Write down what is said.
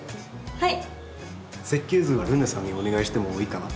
はい。